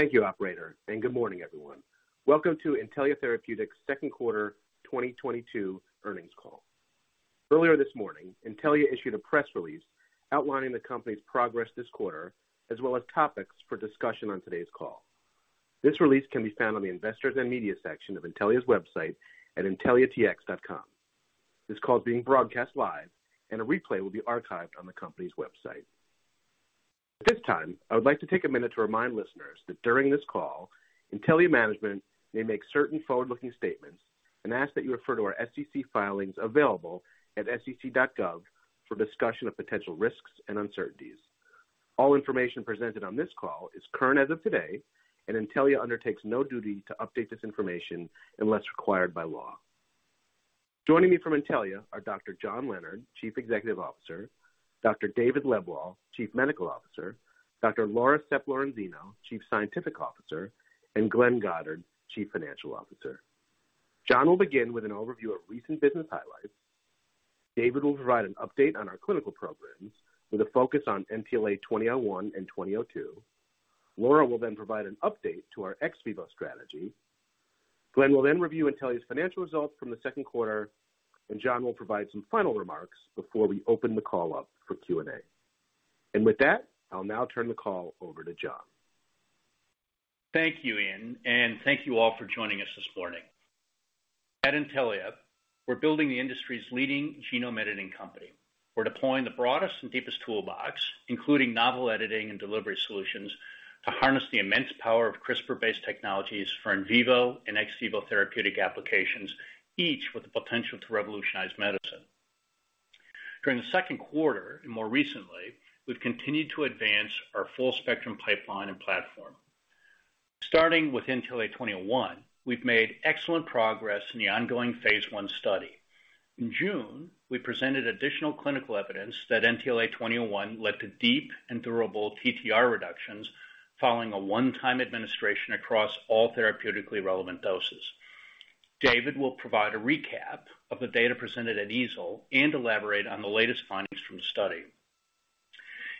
Thank you operator, and good morning everyone. Welcome to Intellia Therapeutics Q2 2022 earnings call. Earlier this morning, Intellia issued a press release outlining the company's progress this quarter, as well as topics for discussion on today's call. This release can be found on the investors and media section of Intellia's website at intelliatx.com. This call is being broadcast live and a replay will be archived on the company's website. At this time, I would like to take a minute to remind listeners that during this call, Intellia management may make certain forward-looking statements and ask that you refer to our SEC filings available at sec.gov for discussion of potential risks and uncertainties. All information presented on this call is current as of today, and Intellia undertakes no duty to update this information unless required by law. Joining me from Intellia are Dr. John Leonard, Chief Executive Officer, Dr. David Lebwohl, Chief Medical Officer, Dr. Laura Sepp-Lorenzino, Chief Scientific Officer, and Glenn Goddard, Chief Financial Officer. John will begin with an overview of recent business highlights. David will provide an update on our clinical programs with a focus on NTLA-2001 and NTLA-2002. Laura will then provide an update to our ex vivo strategy. Glenn will then review Intellia's financial results from the Q2, and John will provide some final remarks before we open the call up for Q&A. With that, I'll now turn the call over to John. Thank you, Ian, and thank you all for joining us this morning. At Intellia, we're building the industry's leading genome editing company. We're deploying the broadest and deepest toolbox, including novel editing and delivery solutions to harness the immense power of CRISPR-based technologies for in vivo and ex vivo therapeutic applications, each with the potential to revolutionize medicine. During the Q2 and more recently, we've continued to advance our full spectrum pipeline and platform. Starting with NTLA-2001, we've made excellent progress in the ongoing phase I study. In June, we presented additional clinical evidence that NTLA-2001 led to deep and durable TTR reductions following a one-time administration across all therapeutically relevant doses. David will provide a recap of the data presented at EASL and elaborate on the latest findings from the study.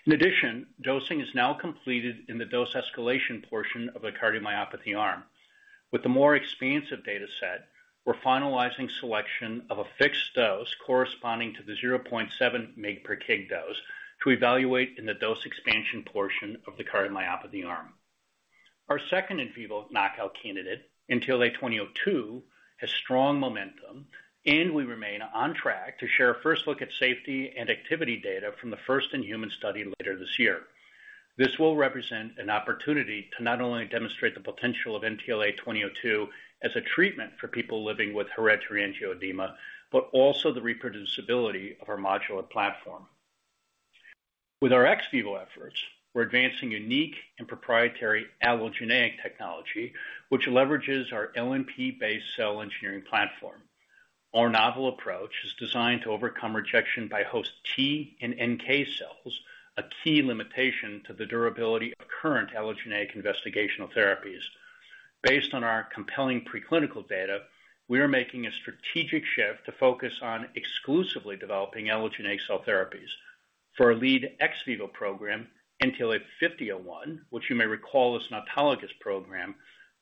In addition, dosing is now completed in the dose escalation portion of the cardiomyopathy arm. With the more expansive data set, we're finalizing selection of a fixed dose corresponding to the 0.7 mg per kg dose to evaluate in the dose expansion portion of the cardiomyopathy arm. Our second in vivo knockout candidate, NTLA-2002, has strong momentum and we remain on track to share a first look at safety and activity data from the first in human study later this year. This will represent an opportunity to not only demonstrate the potential of NTLA-2002 as a treatment for people living with hereditary angioedema, but also the reproducibility of our modular platform. With our ex vivo efforts, we're advancing unique and proprietary allogeneic technology, which leverages our LNP-based cell engineering platform. Our novel approach is designed to overcome rejection by host T and NK cells, a key limitation to the durability of current allogeneic investigational therapies. Based on our compelling pre-clinical data, we are making a strategic shift to focus on exclusively developing allogeneic cell therapies. For our lead ex vivo program, NTLA-5001, which you may recall is an autologous program,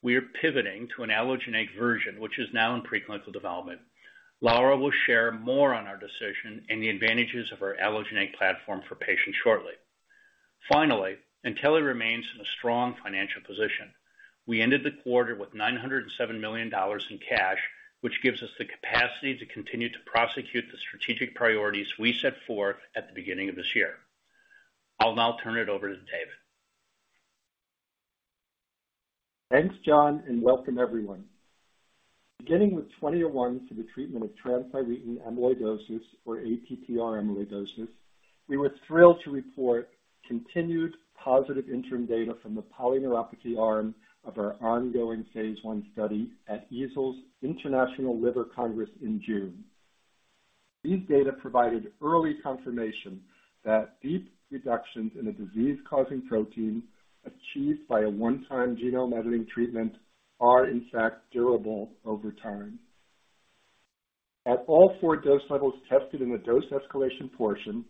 we are pivoting to an allogeneic version, which is now in pre-clinical development. Laura will share more on our decision and the advantages of our allogeneic platform for patients shortly. Finally, Intellia remains in a strong financial position. We ended the quarter with $907 million in cash, which gives us the capacity to continue to prosecute the strategic priorities we set forth at the beginning of this year. I'll now turn it over to David. Thanks, John, and welcome everyone. Beginning with 2001 for the treatment of transthyretin amyloidosis or ATTR amyloidosis, we were thrilled to report continued positive interim data from the polyneuropathy arm of our ongoing phase I study at EASL's International Liver Congress in June. These data provided early confirmation that deep reductions in a disease-causing protein achieved by a one-time genome editing treatment are in fact durable over time. At all 4 dose levels tested in the dose escalation portion,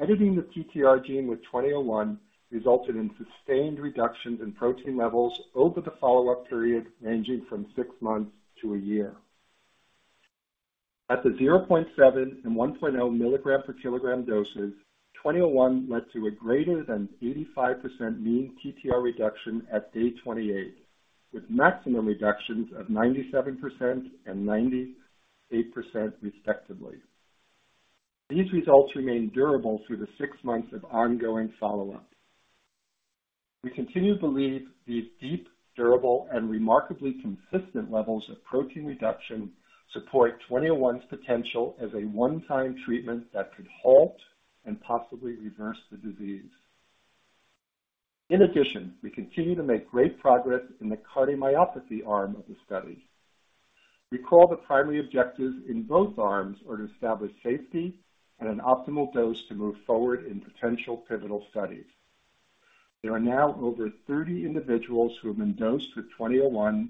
editing the TTR gene with 2001 resulted in sustained reductions in protein levels over the follow-up period, ranging from six months to a year. At the 0.7 and 1.0 mg/kg doses, 2001 led to a greater than 85% mean TTR reduction at day 28, with maximum reductions of 97% and 98% respectively. These results remain durable through the six months of ongoing follow-up. We continue to believe these deep, durable, and remarkably consistent levels of protein reduction support NTLA-2001's potential as a one-time treatment that could halt and possibly reverse the disease. In addition, we continue to make great progress in the cardiomyopathy arm of the study. Recall the primary objectives in both arms are to establish safety and an optimal dose to move forward in potential pivotal studies. There are now over 30 individuals who have been dosed with NTLA-2001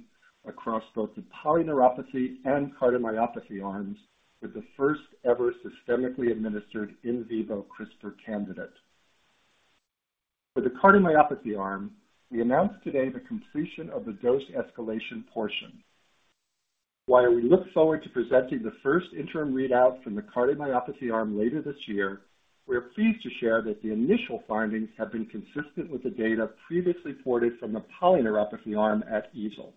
across both the polyneuropathy and cardiomyopathy arms, with the first-ever systemically administered in vivo CRISPR candidate. The cardiomyopathy arm, we announced today the completion of the dose escalation portion. While we look forward to presenting the first interim readout from the cardiomyopathy arm later this year, we are pleased to share that the initial findings have been consistent with the data previously reported from the polyneuropathy arm at EASL.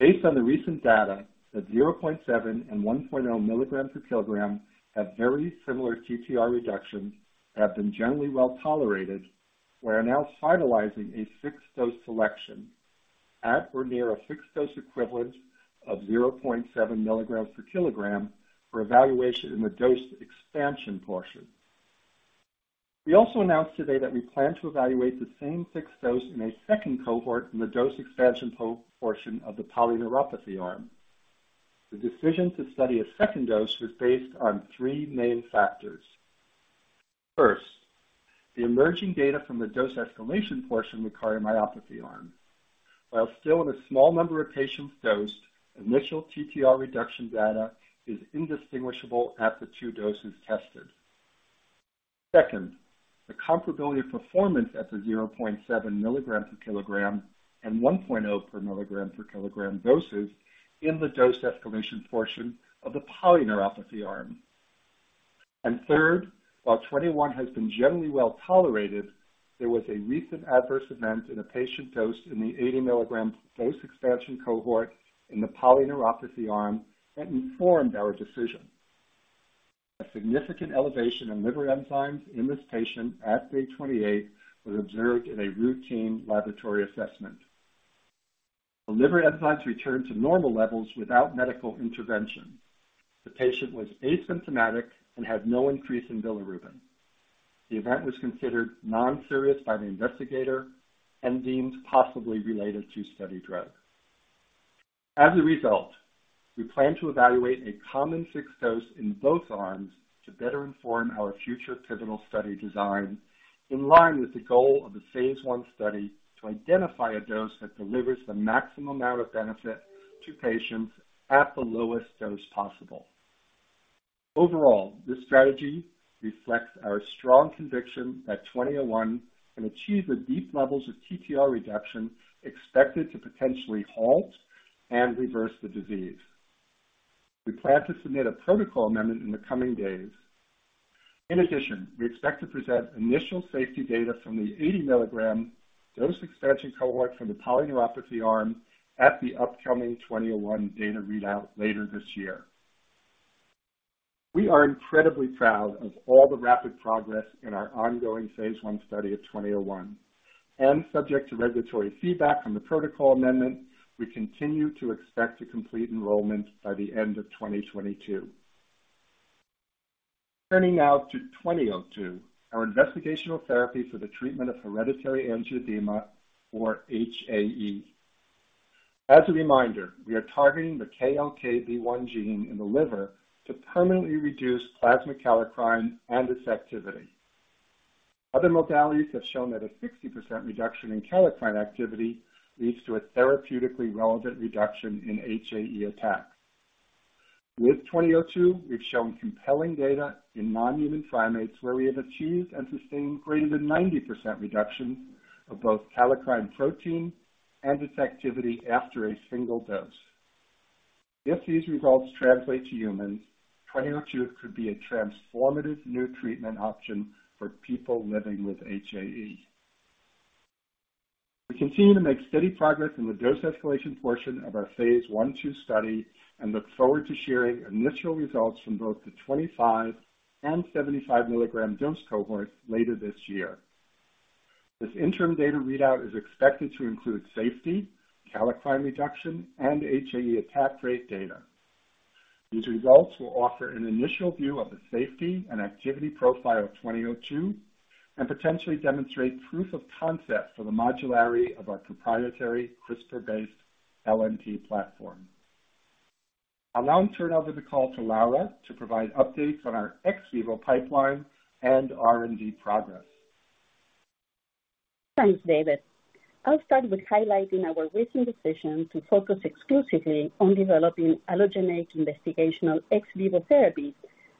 Based on the recent data, the 0.7 and 1.0 milligrams per kilogram have very similar TTR reductions that have been generally well-tolerated. We are now finalizing a fixed-dose selection at or near a fixed-dose equivalent of 0.7 milligrams per kilogram for evaluation in the dose expansion portion. We also announced today that we plan to evaluate the same fixed dose in a second cohort in the dose expansion portion of the polyneuropathy arm. The decision to study a second dose was based on three main factors. First, the emerging data from the dose escalation portion of the cardiomyopathy arm. While still in a small number of patients dosed, initial TTR reduction data is indistinguishable at the 2 doses tested. Second, the comparability of performance at the 0.7 milligrams per kilogram and 1.0 milligrams per kilogram doses in the dose escalation portion of the polyneuropathy arm. Third, while 2001 has been generally well-tolerated, there was a recent adverse event in a patient dosed in the 80-milligram dose expansion cohort in the polyneuropathy arm that informed our decision. A significant elevation in liver enzymes in this patient at day 28 was observed in a routine laboratory assessment. The liver enzymes returned to normal levels without medical intervention. The patient was asymptomatic and had no increase in bilirubin. The event was considered non-serious by the investigator and deemed possibly related to study drug. As a result, we plan to evaluate a common fixed dose in both arms to better inform our future pivotal study design in line with the goal of the phase I study to identify a dose that delivers the maximum amount of benefit to patients at the lowest dose possible. Overall, this strategy reflects our strong conviction that NTLA-2001 can achieve the deep levels of TTR reduction expected to potentially halt and reverse the disease. We plan to submit a protocol amendment in the coming days. In addition, we expect to present initial safety data from the 80-milligram dose expansion cohort from the polyneuropathy arm at the upcoming NTLA-2001 data readout later this year. We are incredibly proud of all the rapid progress in our ongoing phase I study of NTLA-2001. Subject to regulatory feedback from the protocol amendment, we continue to expect to complete enrollment by the end of 2022. Turning now to 2002, our investigational therapy for the treatment of hereditary angioedema, or HAE. As a reminder, we are targeting the KLKB1 gene in the liver to permanently reduce plasma kallikrein and its activity. Other modalities have shown that a 60% reduction in kallikrein activity leads to a therapeutically relevant reduction in HAE attacks. With 2002, we've shown compelling data in non-human primates where we have achieved and sustained greater than 90% reduction of both kallikrein protein and its activity after a single dose. If these results translate to humans, 2002 could be a transformative new treatment option for people living with HAE. We continue to make steady progress in the dose escalation portion of our phase I,II study and look forward to sharing initial results from both the 25 and 75 milligram dose cohort later this year. This interim data readout is expected to include safety, kallikrein reduction, and HAE attack rate data. These results will offer an initial view of the safety and activity profile of NTLA-2002 and potentially demonstrate proof of concept for the modularity of our proprietary CRISPR-based LNP platform. Allow me to turn over the call to Laura to provide updates on our ex vivo pipeline and R&D progress. Thanks, David. I'll start with highlighting our recent decision to focus exclusively on developing allogeneic investigational ex vivo therapies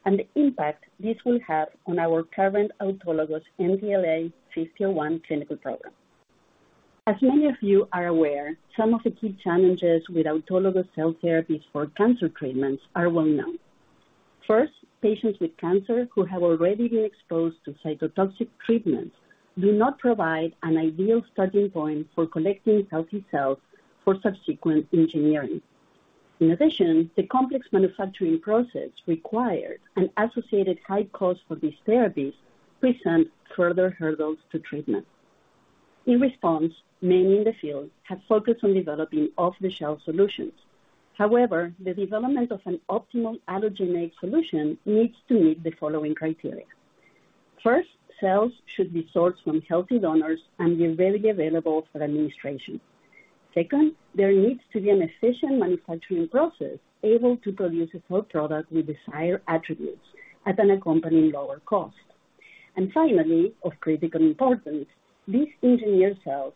and the impact this will have on our current autologous NTLA-5001 clinical program. As many of you are aware, some of the key challenges with autologous cell therapies for cancer treatments are well-known. First, patients with cancer who have already been exposed to cytotoxic treatments do not provide an ideal starting point for collecting healthy cells for subsequent engineering. In addition, the complex manufacturing process required and associated high cost for these therapies present further hurdles to treatment. In response, many in the field have focused on developing off-the-shelf solutions. However, the development of an optimal allogeneic solution needs to meet the following criteria. First, cells should be sourced from healthy donors and be readily available for administration. Second, there needs to be an efficient manufacturing process able to produce a cell product with desired attributes at an accompanying lower cost. Finally, of critical importance, these engineered cells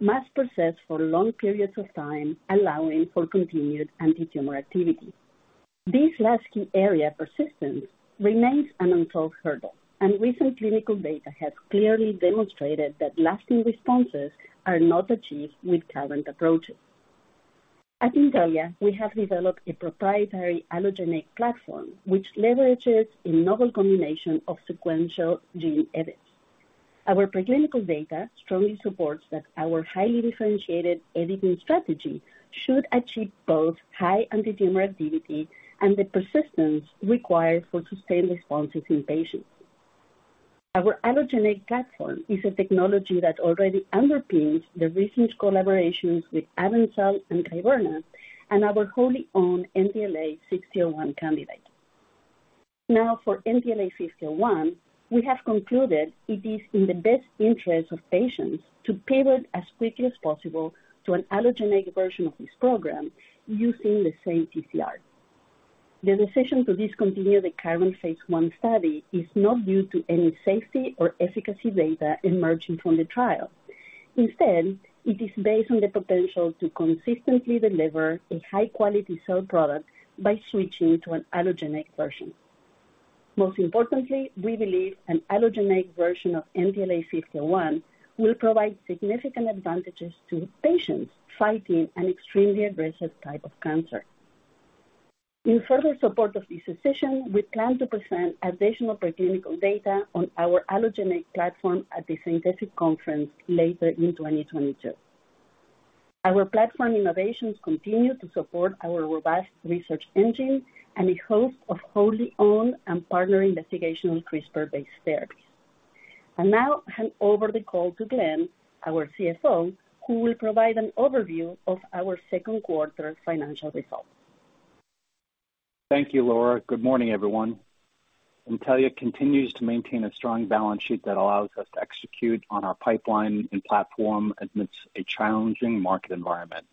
must persist for long periods of time, allowing for continued antitumor activity. This lasting cellular persistence remains an unsolved hurdle, and recent clinical data has clearly demonstrated that lasting responses are not achieved with current approaches. At Intellia, we have developed a proprietary allogeneic platform, which leverages a novel combination of sequential gene edits. Our preclinical data strongly supports that our highly differentiated editing strategy should achieve both high antitumor activity and the persistence required for sustained responses in patients. Our allogeneic platform is a technology that already underpins the recent collaborations with AvenCell and Kyverna and our wholly-owned NTLA-601 candidate. Now for NTLA-601, we have concluded it is in the best interest of patients to pivot as quickly as possible to an allogeneic version of this program using the same TCR. The decision to discontinue the current phase I study is not due to any safety or efficacy data emerging from the trial. Instead, it is based on the potential to consistently deliver a high-quality cell product by switching to an allogeneic version. Most importantly, we believe an allogeneic version of NTLA-601 will provide significant advantages to patients fighting an extremely aggressive type of cancer. In further support of this decision, we plan to present additional preclinical data on our allogeneic platform at the SITC Conference later in 2022. Our platform innovations continue to support our robust research engine and a host of wholly-owned and partner investigational CRISPR-based therapies. Now I'll hand over the call to Glenn, our CFO, who will provide an overview of our Q2 financial results. Thank you, Laura. Good morning, everyone. Intellia continues to maintain a strong balance sheet that allows us to execute on our pipeline and platform amidst a challenging market environment.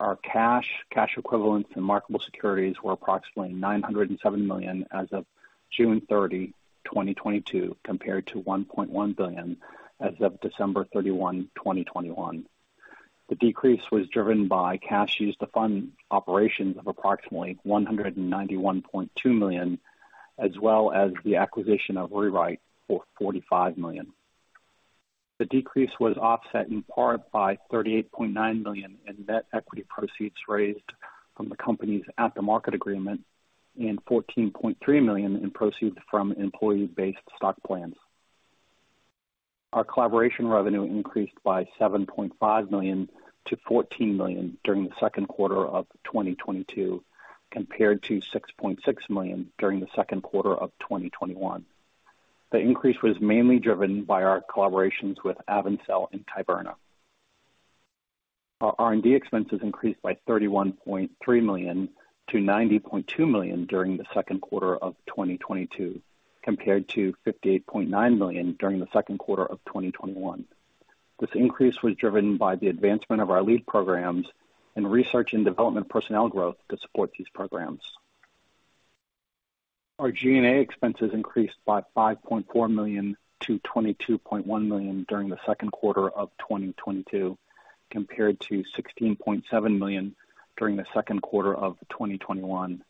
Our cash equivalents and marketable securities were approximately $907 million as of June 30, 2022, compared to $1.1 billion as of December 31, 2021. The decrease was driven by cash used to fund operations of approximately $191.2 million, as well as the acquisition of Rewrite for $45 million. The decrease was offset in part by $38.9 million in net equity proceeds raised from the company's At-the-Market Agreement and $14.3 million in proceeds from employee-based stock plans. Our collaboration revenue increased by $7.5 million to $14 million during the Q2 of 2022, compared to $6.6 million during the Q2 of 2021. The increase was mainly driven by our collaborations with Avencell and Kyverna. Our R&D expenses increased by $31.3 million to $90.2 million during the Q2 of 2022, compared to $58.9 million during the Q2 of 2021. This increase was driven by the advancement of our lead programs and research and development personnel growth to support these programs. Our G&A expenses increased by $5.4 million to $22.1 million during the Q2 of 2022, compared to $16.7 million during the Q2 of 2021.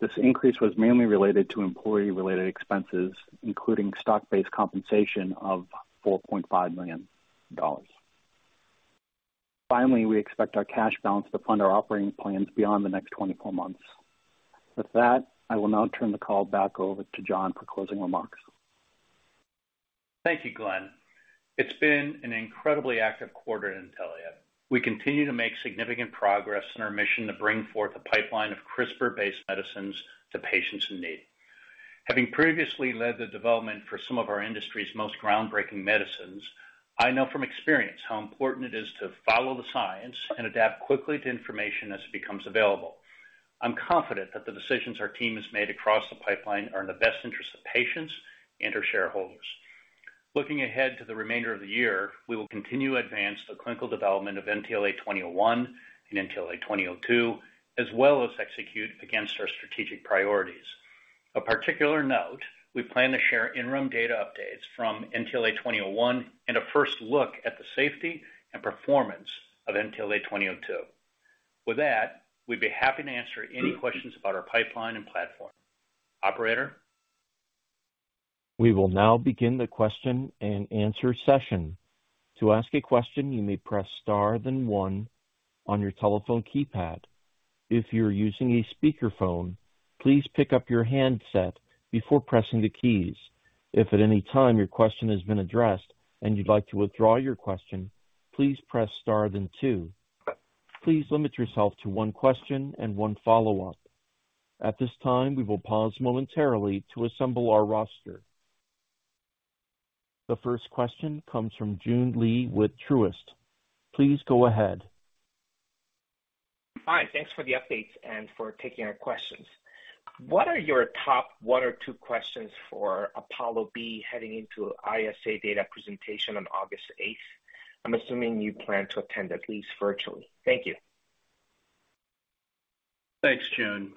This increase was mainly related to employee-related expenses, including stock-based compensation of $4.5 million. Finally, we expect our cash balance to fund our operating plans beyond the next 24 months. With that, I will now turn the call back over to John for closing remarks. Thank you, Glenn. It's been an incredibly active quarter at Intellia. We continue to make significant progress in our mission to bring forth a pipeline of CRISPR-based medicines to patients in need. Having previously led the development for some of our industry's most groundbreaking medicines, I know from experience how important it is to follow the science and adapt quickly to information as it becomes available. I'm confident that the decisions our team has made across the pipeline are in the best interest of patients and our shareholders. Looking ahead to the remainder of the year, we will continue to advance the clinical development of NTLA-2001 and NTLA-2002, as well as execute against our strategic priorities. Of particular note, we plan to share interim data updates from NTLA-2001 and a first look at the safety and performance of NTLA-2002. With that, we'd be happy to answer any questions about our pipeline and platform. Operator? We will now begin the question and answer session. To ask a question, you may press star then one on your telephone keypad. If you're using a speakerphone, please pick up your handset before pressing the keys. If at any time your question has been addressed and you'd like to withdraw your question, please press star then two. Please limit yourself to one question and one follow-up. At this time, we will pause momentarily to assemble our roster. The first question comes from Joon Lee with Truist. Please go ahead. Hi. Thanks for the updates and for taking our questions. What are your top one or two questions for APOLLO-B heading into ESC data presentation on August 8? I'm assuming you plan to attend at least virtually. Thank you. Thanks, Jun.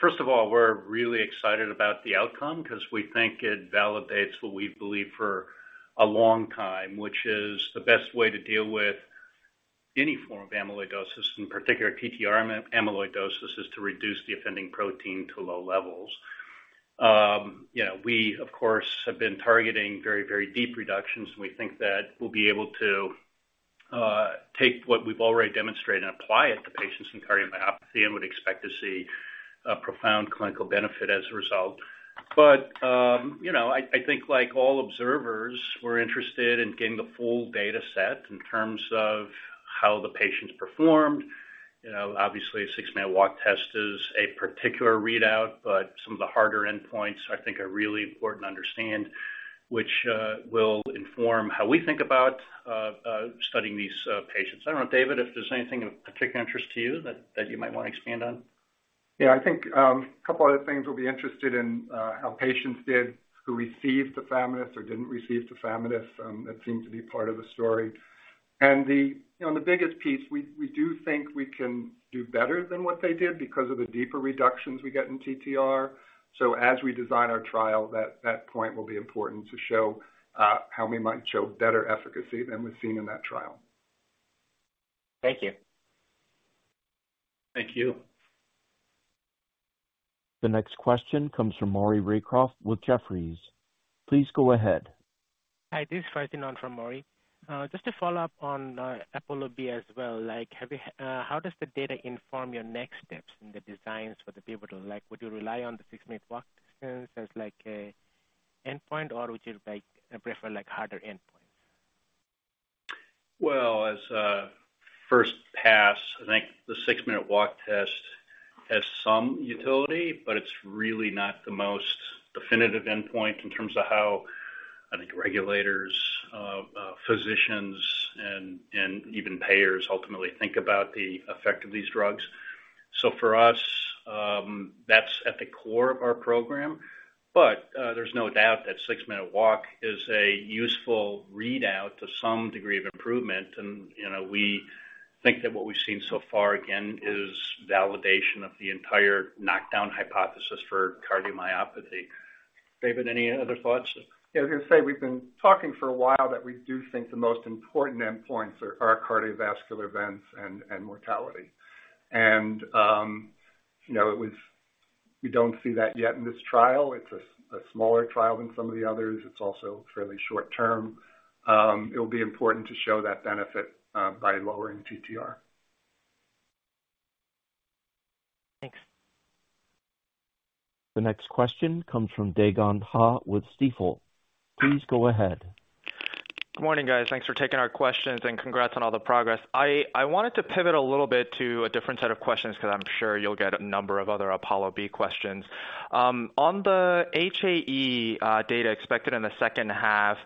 First of all, we're really excited about the outcome 'cause we think it validates what we've believed for a long time, which is the best way to deal with any form of amyloidosis, in particular TTR amyloidosis, is to reduce the offending protein to low levels. You know, we of course have been targeting very, very deep reductions. We think that we'll be able to take what we've already demonstrated and apply it to patients in cardiomyopathy and would expect to see a profound clinical benefit as a result. You know, I think like all observers, we're interested in getting the full data set in terms of how the patients performed. You know, obviously a six-minute walk test is a particular readout, but some of the harder endpoints I think are really important to understand, which will inform how we think about studying these patients. I don't know, David, if there's anything of particular interest to you that you might wanna expand on. Yeah. I think a couple other things we'll be interested in, how patients did who received Tafamidis or didn't receive Tafamidis. That seemed to be part of the story. You know, and the biggest piece, we do think we can do better than what they did because of the deeper reductions we get in TTR. As we design our trial, that point will be important to show how we might show better efficacy than was seen in that trial. Thank you. Thank you. The next question comes from Maurice Raycroft with Jefferies. Please go ahead. Hi, this is Ferdinand for Maury. Just to follow up on APOLLO-B as well. How does the data inform your next steps in the designs for the pivotal? Would you rely on the six-minute walk distance as an endpoint, or would you prefer harder endpoints? Well, as a first pass, I think the six-minute walk test has some utility, but it's really not the most definitive endpoint in terms of how I think regulators, physicians and even payers ultimately think about the effect of these drugs. For us, that's at the core of our program. There's no doubt that six-minute walk is a useful readout to some degree of improvement. You know, we think that what we've seen so far, again, is validation of the entire knockdown hypothesis for cardiomyopathy. David, any other thoughts? Yeah. I was gonna say, we've been talking for a while that we do think the most important endpoints are cardiovascular events and mortality. You know, we don't see that yet in this trial. It's a smaller trial than some of the others. It's also fairly short-term. It'll be important to show that benefit by lowering TTR. Thanks. The next question comes from Dae Gon Ha with Stifel. Please go ahead. Good morning, guys. Thanks for taking our questions, and congrats on all the progress. I wanted to pivot a little bit to a different set of questions because I'm sure you'll get a number of other APOLLO-B questions. On the HAE data expected in the second half,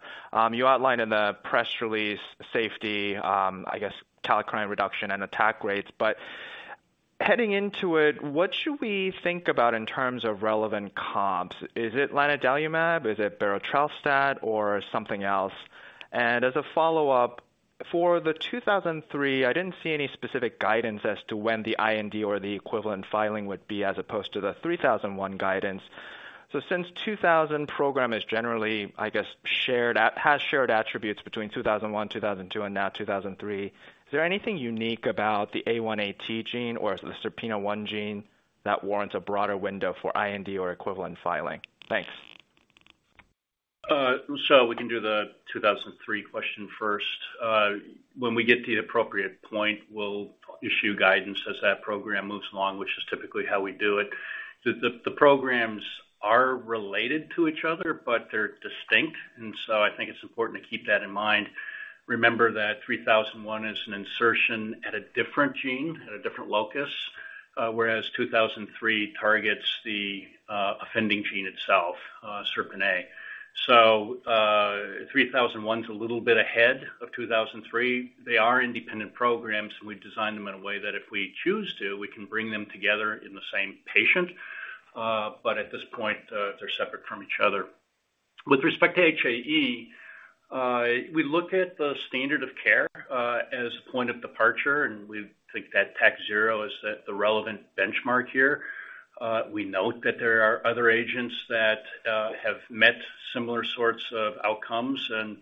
you outlined in the press release safety. I guess kallikrein reduction and attack rates. But heading into it, what should we think about in terms of relevant comps? Is it lanadelumab? Is it berotralstat or something else? As a follow-up, for the NTLA-2003, I didn't see any specific guidance as to when the IND or the equivalent filing would be as opposed to the NTLA-3001 guidance. since 2000 program is generally, I guess, shared at, has shared attributes between 2001, 2002, and now 2003, is there anything unique about the A1AT gene or the SERPINA1 gene that warrants a broader window for IND or equivalent filing? Thanks. We can do the 2003 question first. When we get to the appropriate point, we'll issue guidance as that program moves along, which is typically how we do it. The programs are related to each other, but they're distinct, and so I think it's important to keep that in mind. Remember that 3001 is an insertion at a different gene, at a different locus, whereas 2003 targets the offending gene itself, SERPINA. 3001's a little bit ahead of 2003. They are independent programs. We design them in a way that if we choose to, we can bring them together in the same patient. At this point, they're separate from each other. With respect to HAE, we look at the standard of care as a point of departure, and we think that Takhzyro is the relevant benchmark here. We note that there are other agents that have met similar sorts of outcomes, and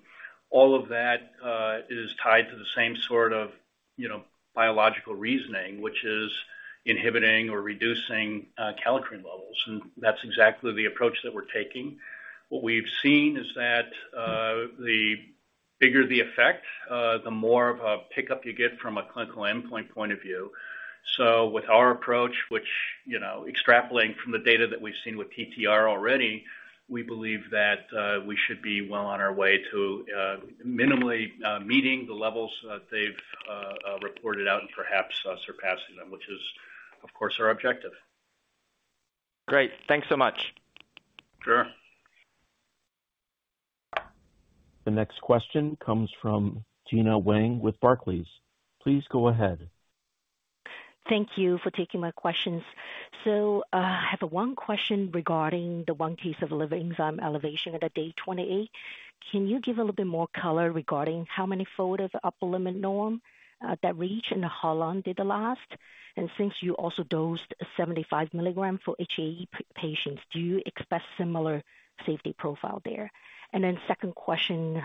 all of that is tied to the same sort of, you know, biological reasoning, which is inhibiting or reducing kallikrein levels. That's exactly the approach that we're taking. What we've seen is that the bigger the effect, the more of a pickup you get from a clinical endpoint point of view. With our approach, which, you know, extrapolating from the data that we've seen with TTR already, we believe that we should be well on our way to minimally meeting the levels that they've reported out and perhaps surpassing them, which is, of course, our objective. Great. Thanks so much. Sure. The next question comes from Gena Wang with Barclays. Please go ahead. Thank you for taking my questions. I have one question regarding the one case of liver enzyme elevation at day 28. Can you give a little bit more color regarding how many fold of upper limit norm that reach and how long did the last? Since you also dosed 75 milligram for HAE patients, do you expect similar safety profile there? Second question,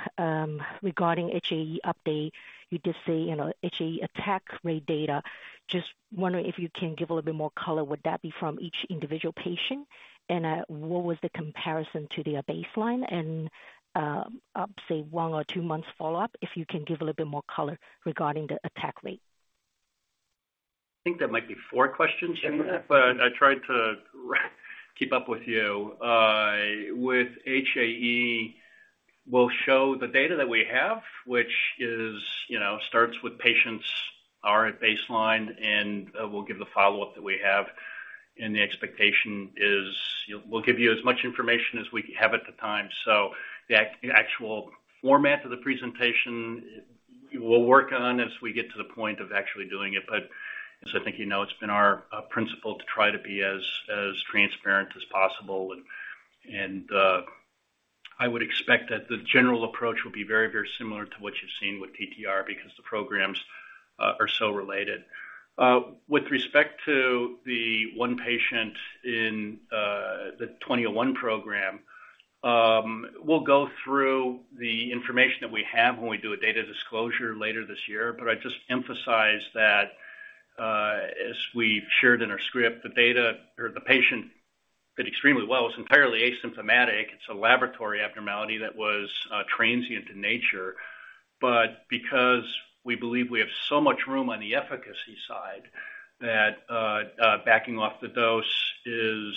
regarding HAE update. You just say, you know, HAE attack rate data. Just wondering if you can give a little bit more color. Would that be from each individual patient? What was the comparison to the baseline and up, say, one or two months follow-up, if you can give a little bit more color regarding the attack rate. I think that might be four questions in that, but I tried to keep up with you. With HAE, we'll show the data that we have, which is starts with patients are at baseline, and we'll give the follow-up that we have. The expectation is we'll give you as much information as we have at the time, so the actual format of the presentation we'll work on as we get to the point of actually doing it. As I think you know, it's been our principle to try to be as transparent as possible. I would expect that the general approach will be very, very similar to what you've seen with TTR because the programs are so related. With respect to the 1 patient in the NTLA-2001 program, we'll go through the information that we have when we do a data disclosure later this year. I'd just emphasize that, as we've shared in our script, the data or the patient did extremely well. It's entirely asymptomatic. It's a laboratory abnormality that was transient in nature. Because we believe we have so much room on the efficacy side, backing off the dose is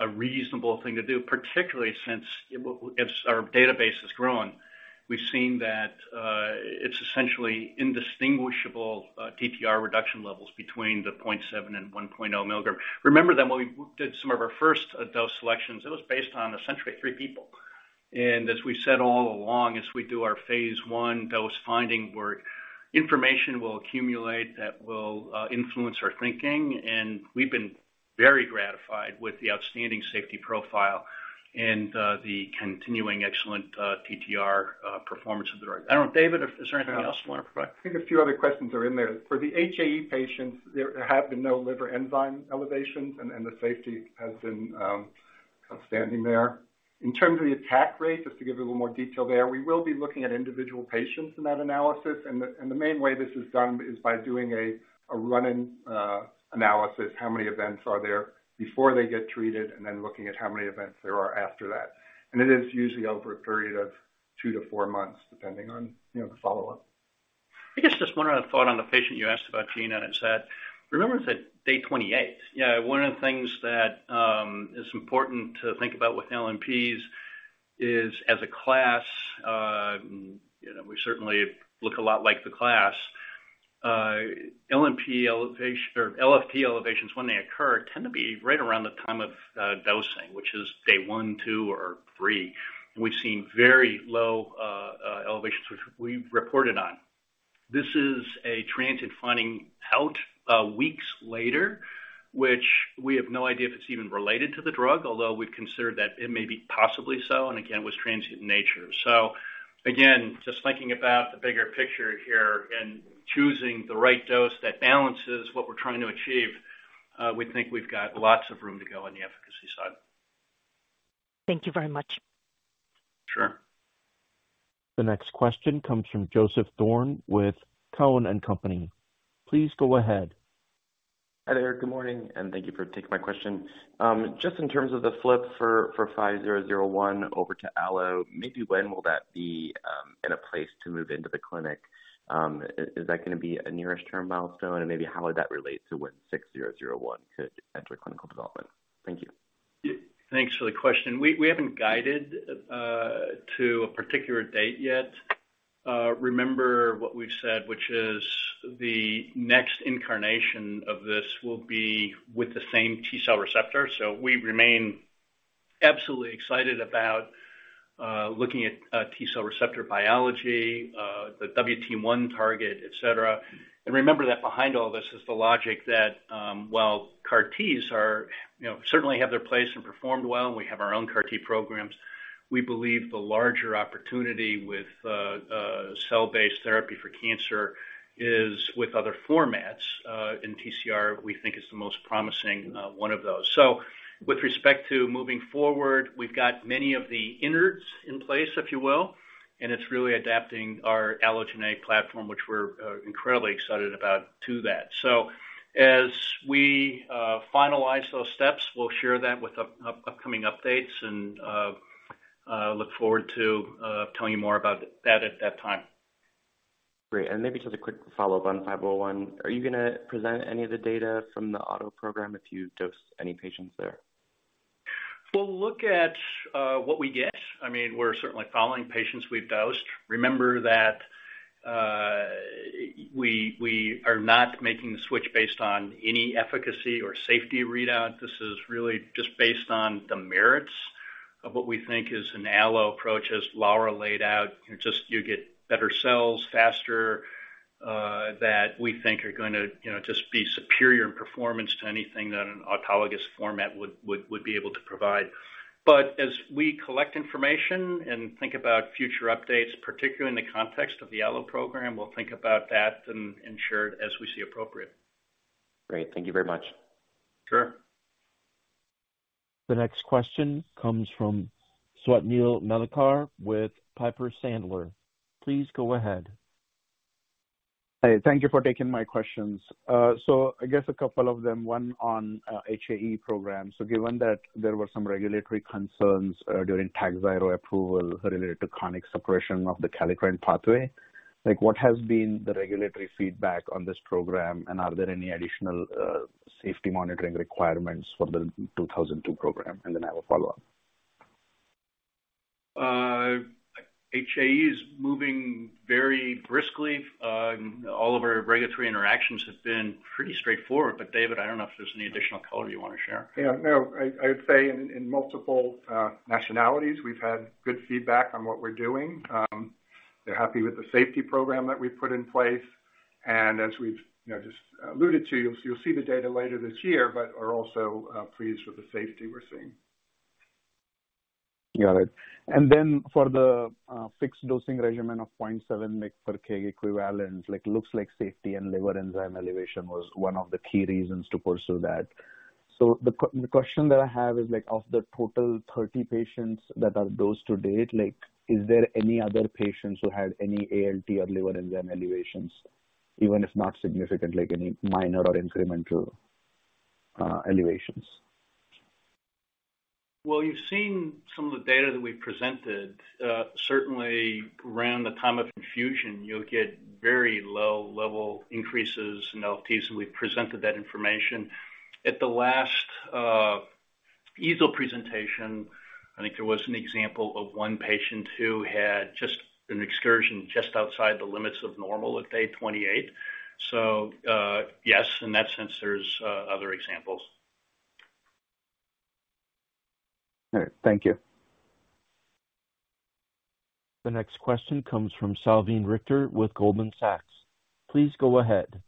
a reasonable thing to do, particularly since as our database has grown, we've seen that it's essentially indistinguishable TTR reduction levels between the 0.7-1.0 milligram. Remember that when we did some of our first dose selections, it was based on essentially 3 people. As we said all along, as we do our phase I dose-finding work, information will accumulate that will influence our thinking. We've been very gratified with the outstanding safety profile and the continuing excellent TTR performance of the drug. I don't know, David, if there's anything else you wanna provide? I think a few other questions are in there. For the HAE patients, there have been no liver enzyme elevations, and the safety has been outstanding there. In terms of the attack rate, just to give a little more detail there, we will be looking at individual patients in that analysis. The main way this is done is by doing a run-in analysis, how many events are there before they get treated, and then looking at how many events there are after that. It is usually over a period of two to four months, depending on you know, the follow-up. I guess just one other thought on the patient you asked about, Gina, and it's that remember it's at day 28. You know, one of the things that is important to think about with LNPs is, as a class, you know, we certainly look a lot like the class. LNP elevation or LFT elevations, when they occur, tend to be right around the time of dosing, which is day one, two, or three. We've seen very low elevations, which we've reported on. This is a transient finding out weeks later, which we have no idea if it's even related to the drug, although we've considered that it may be possibly so, and again, was transient in nature. Again, just thinking about the bigger picture here and choosing the right dose that balances what we're trying to achieve, we think we've got lots of room to go on the efficacy side. Thank you very much. Sure. The next question comes from Joseph Thome with TD Cowen. Please go ahead. Hi there. Good morning, and thank you for taking my question. Just in terms of the flip for 5001 over to Allo, maybe when will that be in a place to move into the clinic? Is that gonna be a near-term milestone? Maybe how would that relate to when 6001 could enter clinical development? Thank you. Thanks for the question. We haven't guided to a particular date yet. Remember what we've said, which is the next incarnation of this will be with the same T-cell receptor. We remain absolutely excited about looking at T-cell receptor biology, the WT1 target, et cetera. Remember that behind all this is the logic that while CAR-Ts are, you know, certainly have their place and performed well, and we have our own CAR-T programs. We believe the larger opportunity with cell-based therapy for cancer is with other formats. TCR, we think, is the most promising one of those. With respect to moving forward, we've got many of the innards in place, if you will, and it's really adapting our allogeneic platform, which we're incredibly excited about, to that. As we finalize those steps, we'll share that with upcoming updates and look forward to telling you more about that at that time. Great. Maybe just a quick follow-up on 501. Are you gonna present any of the data from the auto program if you dose any patients there? We'll look at what we get. I mean, we're certainly following patients we've dosed. Remember that, we are not making the switch based on any efficacy or safety readout. This is really just based on the merits of what we think is an Allo approach, as Laura laid out. You know, just you get better cells faster. That we think are gonna, you know, just be superior in performance to anything that an autologous format would be able to provide. But as we collect information and think about future updates, particularly in the context of the Allo program, we'll think about that and ensure it as we see appropriate. Great. Thank you very much. Sure. The next question comes from Swapnil Malekar with Piper Sandler. Please go ahead. Hey, thank you for taking my questions. I guess a couple of them, one on HAE program. Given that there were some regulatory concerns during Takhzyro approval related to chronic suppression of the kallikrein pathway, like what has been the regulatory feedback on this program? Are there any additional safety monitoring requirements for the 2002 program? Then I have a follow-up. HAE is moving very briskly. All of our regulatory interactions have been pretty straightforward. David, I don't know if there's any additional color you wanna share. Yeah. No, I would say in multiple nationalities, we've had good feedback on what we're doing. They're happy with the safety program that we've put in place, and as we've, you know, just alluded to, you'll see the data later this year, but are also pleased with the safety we're seeing. Got it. Then for the fixed dosing regimen of 0.7 mg per kg equivalent, like, looks like safety and liver enzyme elevation was one of the key reasons to pursue that. The question that I have is, like, of the total 30 patients that are dosed to date, like, is there any other patients who had any ALT or liver enzyme elevations, even if not significant, like any minor or incremental elevations? Well, you've seen some of the data that we presented. Certainly around the time of infusion, you'll get very low-level increases in LFT, so we've presented that information. At the last EASL presentation, I think there was an example of one patient who had an excursion just outside the limits of normal at day 28. Yes, in that sense, there's other examples. All right. Thank you. The next question comes from Salveen Richter with Goldman Sachs. Please go ahead.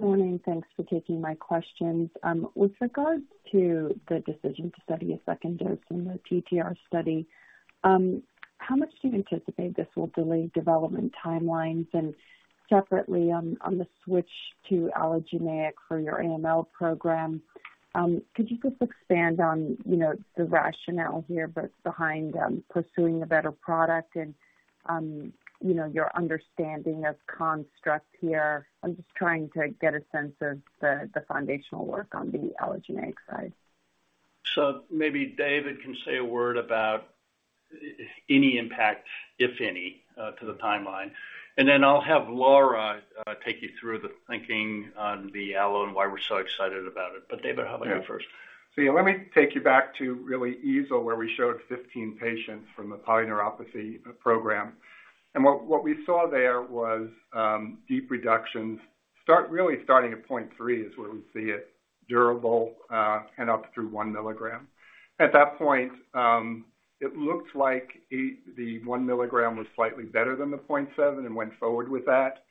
Morning, thanks for taking my questions. With regards to the decision to study a second dose in the PTR study, how much do you anticipate this will delay development timelines? Separately, on the switch to allogeneic for your AML program, could you just expand on, you know, the rationale here behind pursuing a better product and, you know, your understanding of construct here? I'm just trying to get a sense of the foundational work on the allogeneic side. Maybe David can say a word about any impact, if any, to the timeline. Then I'll have Laura take you through the thinking on the Allo and why we're so excited about it. David, how about you first? Yeah, let me take you back to really EASL, where we showed 15 patients from the polyneuropathy program. What we saw there was deep reductions really starting at 0.3, where we see it durable, and up through 1 milligram. At that point, it looked like the 1 milligram was slightly better than the 0.7 and went forward with that.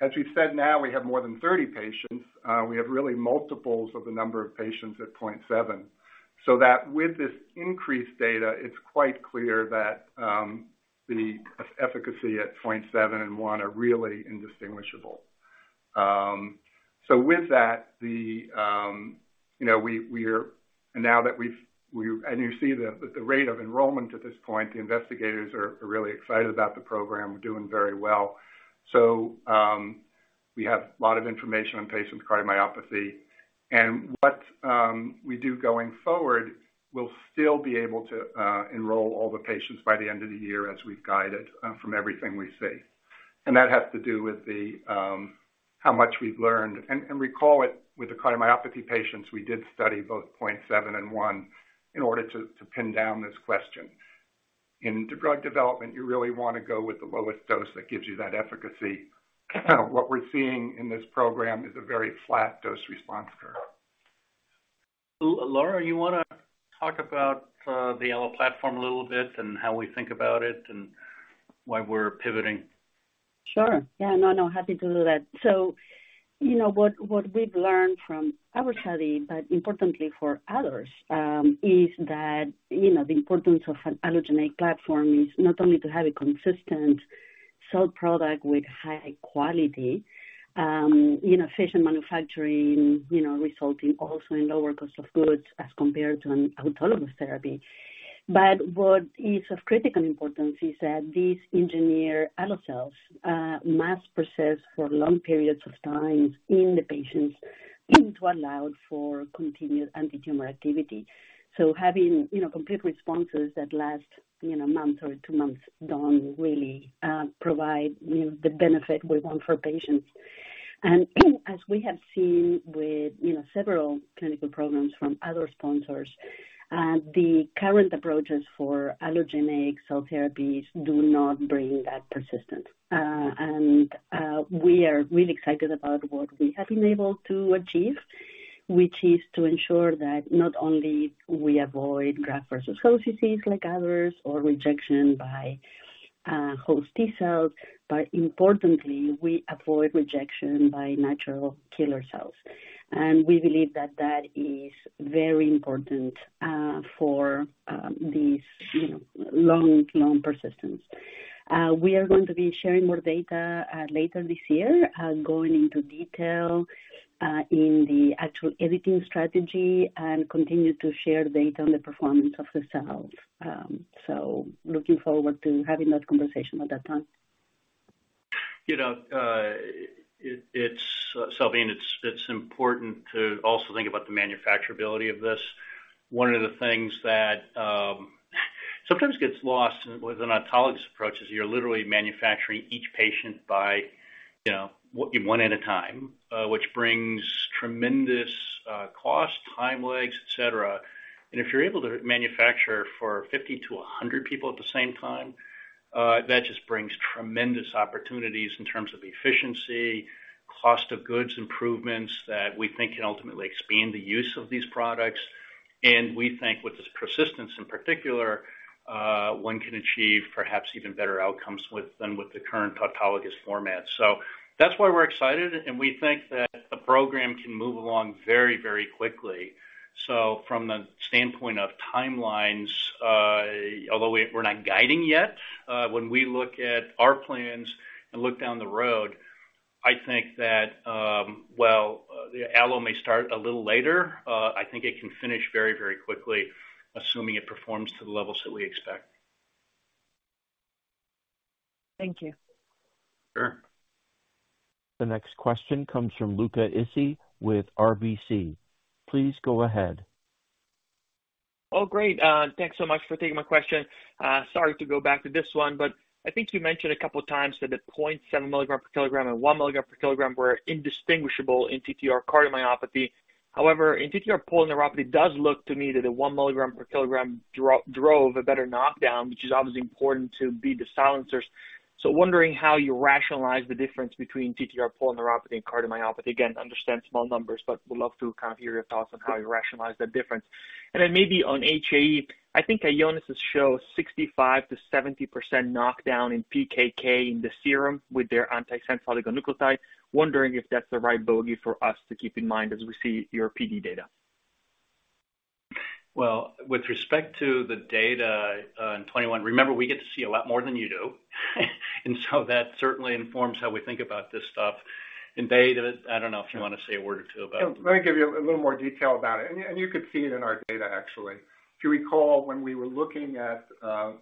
As we've said, now we have more than 30 patients. We have really multiples of the number of patients at 0.7. With this increased data, it's quite clear that the efficacy at 0.7 and 1 are really indistinguishable. With that, you know, now that we've you see the rate of enrollment at this point, the investigators are really excited about the program. We're doing very well. We have a lot of information on patients with cardiomyopathy. What we do going forward, we'll still be able to enroll all the patients by the end of the year as we've guided from everything we see. That has to do with how much we've learned. Recall that with the cardiomyopathy patients, we did study both 0.7 and 1 in order to pin down this question. In drug development, you really wanna go with the lowest dose that gives you that efficacy. What we're seeing in this program is a very flat dose-response curve. Laura, you wanna talk about the Allo platform a little bit and how we think about it and why we're pivoting? Sure. Yeah, no, happy to do that. What we've learned from our study, but importantly for others, is that the importance of an allogeneic platform is not only to have a consistent cell product with high quality, efficient manufacturing, resulting also in lower cost of goods as compared to an autologous therapy. What is of critical importance is that these engineered allografts must persist for long periods of time in the patients to allow for continued antitumor activity. Having complete responses that last a month or two months don't really provide the benefit we want for patients. As we have seen with several clinical programs from other sponsors, the current approaches for allogeneic cell therapies do not bring that persistence. We are really excited about what we have been able to achieve. Which is to ensure that not only we avoid graft versus host disease like others or rejection by host T-cells, but importantly, we avoid rejection by natural killer cells. We believe that that is very important for these, you know, long persistence. We are going to be sharing more data later this year going into detail in the actual editing strategy and continue to share data on the performance of the cells. Looking forward to having that conversation at that time. You know, it's Salveen, it's important to also think about the manufacturability of this. One of the things that sometimes gets lost with an autologous approach is you're literally manufacturing each patient by, you know, one at a time, which brings tremendous cost, time lags, et cetera. If you're able to manufacture for 50-100 people at the same time, that just brings tremendous opportunities in terms of efficiency, cost of goods improvements that we think can ultimately expand the use of these products. We think with this persistence in particular, one can achieve perhaps even better outcomes than with the current autologous format. That's why we're excited, and we think that the program can move along very, very quickly. From the standpoint of timelines, although we're not guiding yet, when we look at our plans and look down the road, I think that, well, the allo may start a little later. I think it can finish very, very quickly, assuming it performs to the levels that we expect. Thank you. Sure. The next question comes from Luca Issi with RBC. Please go ahead. Oh, great. Thanks so much for taking my question. Sorry to go back to this one, but I think you mentioned a couple of times that the 0.7 milligram per kilogram and 1 milligram per kilogram were indistinguishable in TTR cardiomyopathy. However, in TTR polyneuropathy, it does look to me that the 1 milligram per kilogram drove a better knockdown, which is obviously important to beat the silencers. Wondering how you rationalize the difference between TTR polyneuropathy and cardiomyopathy? Again, I understand small numbers, but would love to kind of hear your thoughts on how you rationalize that difference. Maybe on HAE, I think Ionis showed 65%-70% knockdown in PKK in the serum with their antisense oligonucleotide. Wondering if that's the right bogey for us to keep in mind as we see your PD data? Well, with respect to the data, in 2021, remember, we get to see a lot more than you do. That certainly informs how we think about this stuff. David, I don't know if you wanna say a word or two about- Let me give you a little more detail about it. You could see it in our data, actually. If you recall, when we were looking at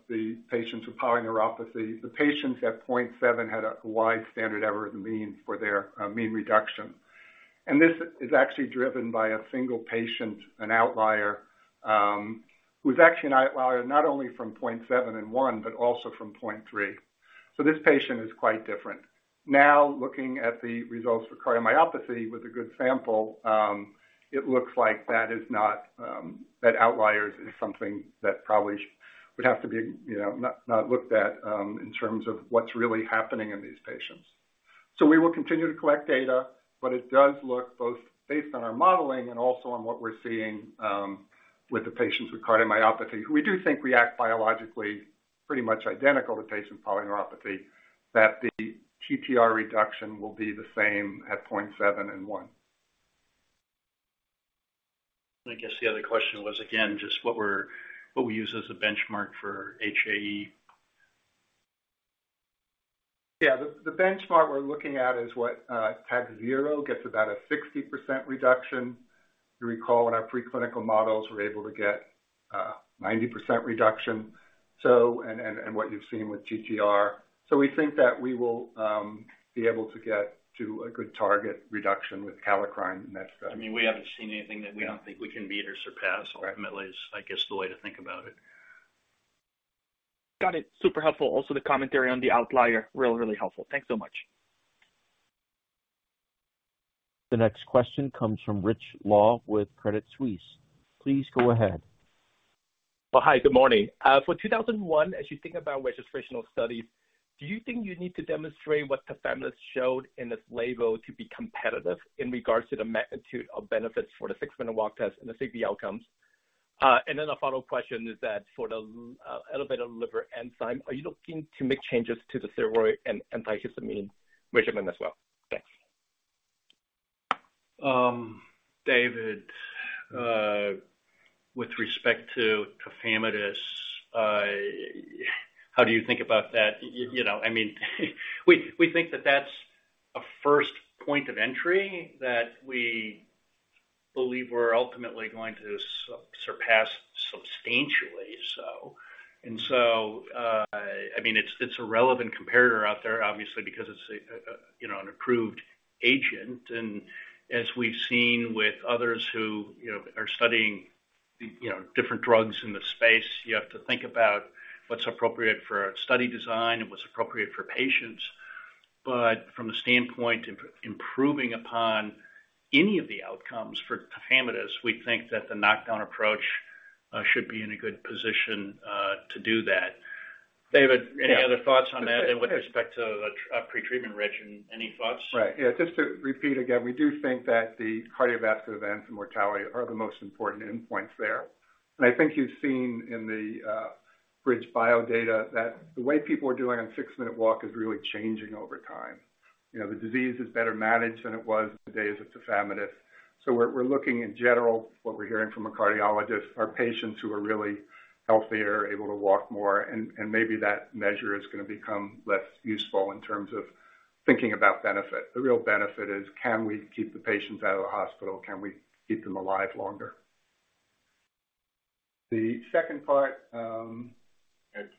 the patients with polyneuropathy, the patients at 0.7 had a wide standard error of the mean for their mean reduction. This is actually driven by a single patient, an outlier, who's actually an outlier not only from 0.7 and 1, but also from 0.3. This patient is quite different. Now, looking at the results for cardiomyopathy with a good sample, it looks like that is not, that outlier is something that probably would have to be, you know, not looked at, in terms of what's really happening in these patients. We will continue to collect data, but it does look both based on our modeling and also on what we're seeing, with the patients with cardiomyopathy, who we do think react biologically pretty much identical to patients with polyneuropathy, that the TTR reduction will be the same at 0.7 and 1. I guess the other question was, again, just what we use as a benchmark for HAE. Yeah. The benchmark we're looking at is what type zero gets about a 60% reduction. If you recall, in our preclinical models, we're able to get 90% reduction. And what you've seen with TTR. We think that we will be able to get to a good target reduction with kallikrein next study. I mean, we haven't seen anything that we don't think we can beat or surpass. Right. Ultimately is, I guess, the way to think about it. Got it. Super helpful. Also, the commentary on the outlier, really, really helpful. Thanks so much. The next question comes from Rich Law with Credit Suisse. Please go ahead. Well, hi, good morning. For NTLA-2001, as you think about registrational studies, do you think you need to demonstrate what Tafamidis showed in its label to be competitive in regards to the magnitude of benefits for the six-minute walk test and the safety outcomes? A follow-up question is that for the elevated liver enzyme, are you looking to make changes to the steroid and antihistamine regimen as well? Thanks. David, with respect to Tafamidis, how do you think about that? You know, I mean, we think that that's a first point of entry that we believe we're ultimately going to surpass substantially. I mean, it's a relevant comparator out there, obviously, because it's a you know, an approved agent. As we've seen with others who, you know, are studying you know, different drugs in the space, you have to think about what's appropriate for a study design and what's appropriate for patients. But from a standpoint improving upon any of the outcomes for Tafamidis, we think that the knockdown approach should be in a good position to do that. David, any other thoughts on that with respect to the pretreatment regimen? Any thoughts? Right. Yeah, just to repeat again, we do think that the cardiovascular events and mortality are the most important endpoints there. I think you've seen in the BridgeBio data that the way people are doing on six-minute walk is really changing over time. You know, the disease is better managed than it was in the days of Tafamidis. We're looking in general, what we're hearing from a cardiologist are patients who are really healthier, able to walk more, and maybe that measure is gonna become less useful in terms of thinking about benefit. The real benefit is can we keep the patients out of the hospital? Can we keep them alive longer? The second part,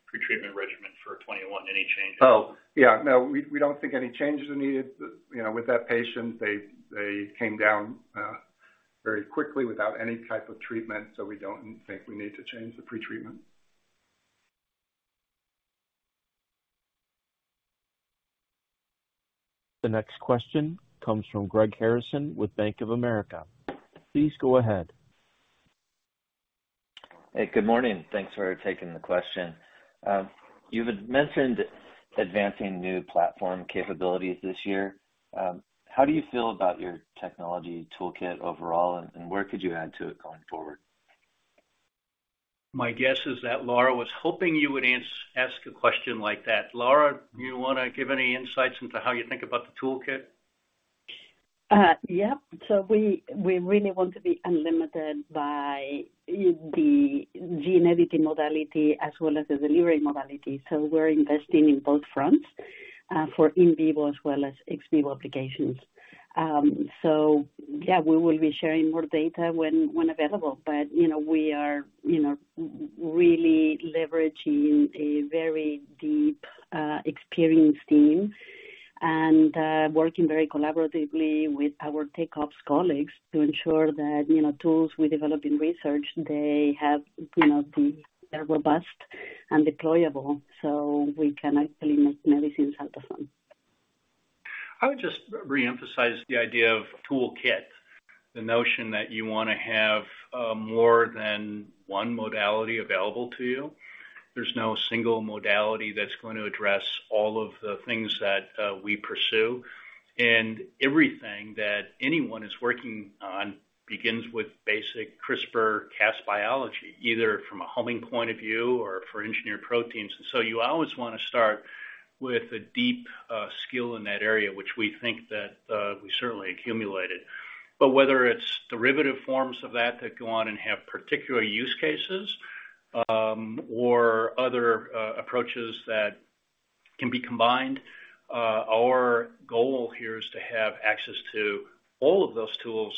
Pre-treatment regimen for 21, any changes? Oh, yeah, no. We don't think any changes are needed. You know, with that patient, they came down very quickly without any type of treatment, so we don't think we need to change the pretreatment. The next question comes from Greg Harrison with Bank of America. Please go ahead. Hey, good morning. Thanks for taking the question. You had mentioned advancing new platform capabilities this year. How do you feel about your technology toolkit overall, and where could you add to it going forward? My guess is that Laura was hoping you would ask a question like that. Laura, do you wanna give any insights into how you think about the toolkit? Yeah. We really want to be unlimited by the gene editing modality as well as the delivery modality, so we're investing in both fronts for in vivo as well as ex vivo applications. Yeah, we will be sharing more data when available. You know, we are really leveraging a very deep experienced team and working very collaboratively with our Tech Ops colleagues to ensure that, you know, tools we develop in research, they have, you know, they're robust and deployable, so we can actually make medicines out of them. I would just reemphasize the idea of toolkit, the notion that you wanna have, more than one modality available to you. There's no single modality that's going to address all of the things that, we pursue. Everything that anyone is working on begins with basic CRISPR-Cas biology, either from a homing point of view or for engineered proteins. You always wanna start with a deep, skill in that area, which we think that, we certainly accumulated. Whether it's derivative forms of that that go on and have particular use cases, or other, approaches that can be combined, our goal here is to have access to all of those tools.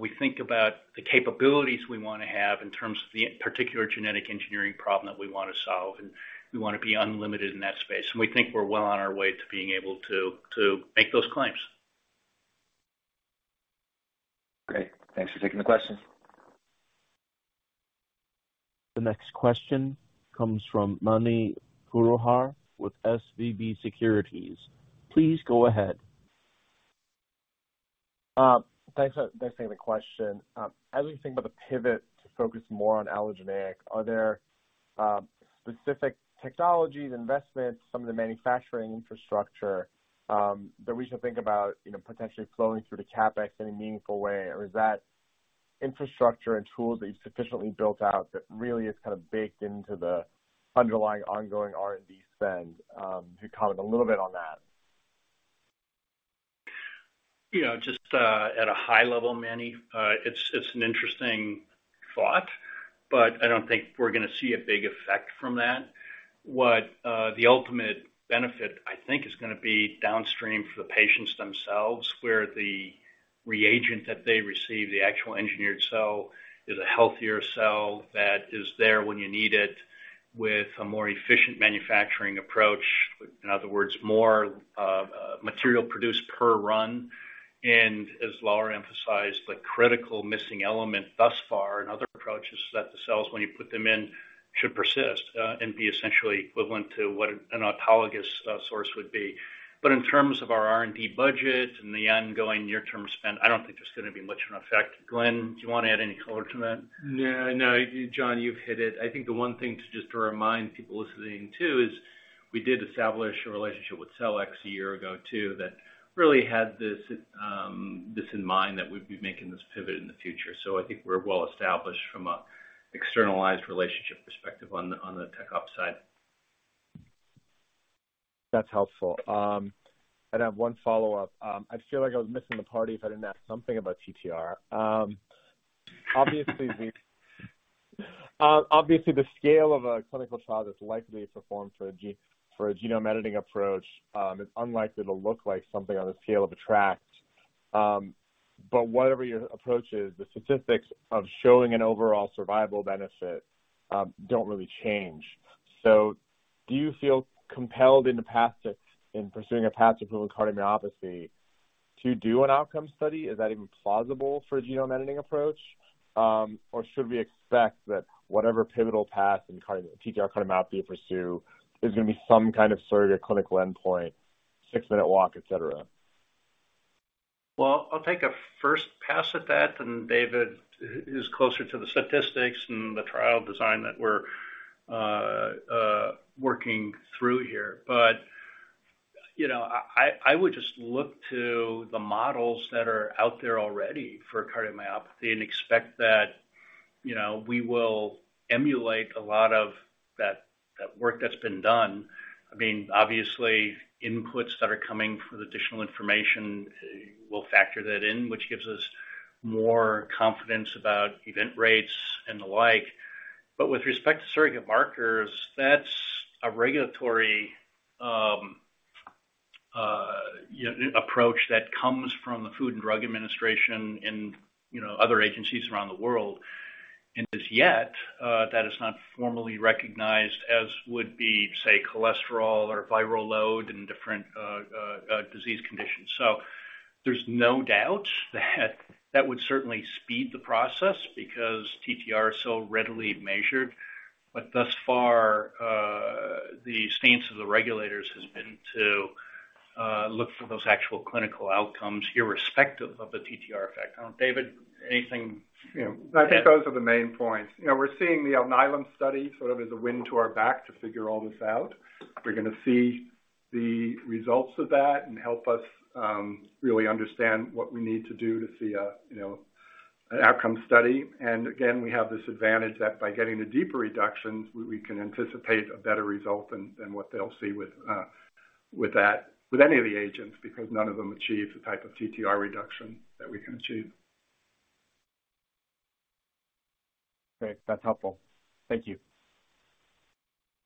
We think about the capabilities we wanna have in terms of the particular genetic engineering problem that we wanna solve, and we wanna be unlimited in that space, and we think we're well on our way to being able to make those claims. Great. Thanks for taking the question. The next question comes from Mani Foroohar with SVB Securities. Please go ahead. Thanks for taking the question. As we think about the pivot to focus more on allogeneic, are there specific technologies, investments from the manufacturing infrastructure that we should think about, you know, potentially flowing through the CapEx in a meaningful way? Or is that infrastructure and tools that you've sufficiently built out that really is kind of baked into the underlying ongoing R&D spend? Can you comment a little bit on that? You know, just at a high level, Mani, it's an interesting thought, but I don't think we're gonna see a big effect from that. What the ultimate benefit, I think, is gonna be downstream for the patients themselves, where the reagent that they receive, the actual engineered cell, is a healthier cell that is there when you need it with a more efficient manufacturing approach. In other words, more material produced per run. As Laura emphasized, the critical missing element thus far in other approaches is that the cells, when you put them in, should persist and be essentially equivalent to what an autologous source would be. In terms of our R&D budget and the ongoing near-term spend, I don't think there's gonna be much of an effect. Glenn, do you wanna add any color to that? No, no, John, you've hit it. I think the one thing to just remind people listening to is we did establish a relationship with Cellectis a year ago, too, that really had this in mind that we'd be making this pivot in the future. I think we're well established from a externalized relationship perspective on the Tech Ops side. That's helpful. I'd have one follow-up. I'd feel like I was missing the party if I didn't ask something about TTR. Obviously the scale of a clinical trial that's likely to perform for a genome editing approach is unlikely to look like something on the scale of ATTR-ACT. But whatever your approach is, the statistics of showing an overall survival benefit don't really change. Do you feel compelled in pursuing a path to approval cardiomyopathy to do an outcome study? Is that even plausible for a genome editing approach? Or should we expect that whatever pivotal path in TTR cardiomyopathy pursue is gonna be some kind of surrogate clinical endpoint, six-minute walk, et cetera? Well, I'll take a first pass at that, and David is closer to the statistics and the trial design that we're working through here. You know, I would just look to the models that are out there already for cardiomyopathy and expect that, you know, we will emulate a lot of that work that's been done. I mean, obviously, inputs that are coming for the additional information, we'll factor that in, which gives us more confidence about event rates and the like. With respect to surrogate markers, that's a regulatory approach that comes from the Food and Drug Administration and, you know, other agencies around the world. As yet, that is not formally recognized as would be, say, cholesterol or viral load in different disease conditions. There's no doubt that that would certainly speed the process because TTR is so readily measured. Thus far, the stance of the regulators has been to look for those actual clinical outcomes irrespective of the TTR effect. David, anything? Yeah. I think those are the main points. You know, we're seeing the Alnylam study sort of as a wind to our back to figure all this out. We're gonna see the results of that and help us really understand what we need to do to see a, you know, an outcome study. Again, we have this advantage that by getting the deeper reductions, we can anticipate a better result than what they'll see with that, with any of the agents, because none of them achieve the type of TTR reduction that we can achieve. Great. That's helpful. Thank you.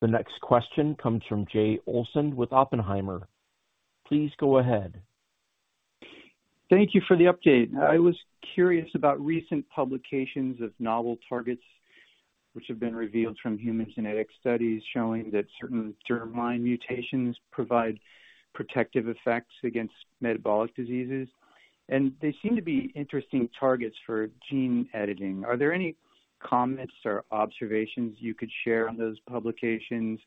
The next question comes from Jay Olson with Oppenheimer. Please go ahead. Thank you for the update. I was curious about recent publications of novel targets which have been revealed from human genetic studies showing that certain germline mutations provide protective effects against metabolic diseases, and they seem to be interesting targets for gene editing. Are there any comments or observations you could share on those publications?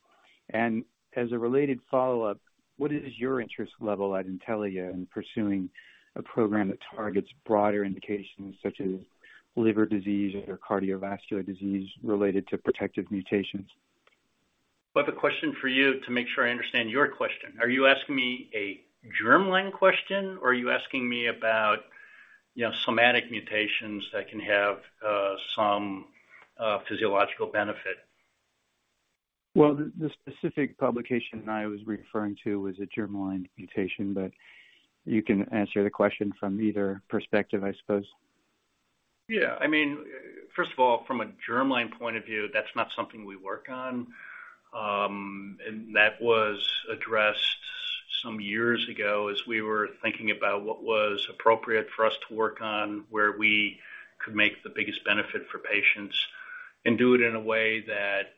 As a related follow-up, what is your interest level at Intellia in pursuing a program that targets broader indications such as liver disease or cardiovascular disease related to protective mutations? I have a question for you to make sure I understand your question. Are you asking me a germline question, or are you asking me about, you know, somatic mutations that can have some physiological benefit? Well, the specific publication I was referring to was a germline mutation, but you can answer the question from either perspective, I suppose. Yeah. I mean, first of all, from a germline point of view, that's not something we work on. That was addressed some years ago as we were thinking about what was appropriate for us to work on, where we could make the biggest benefit for patients and do it in a way that